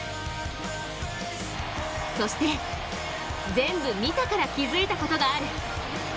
そして、ぜんぶ見たから気づいたことがある。